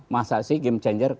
masa sih game changer